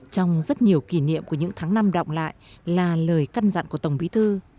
trong rất nhiều kỷ niệm của những tháng năm động lại là lời căn dặn của tổng bí thư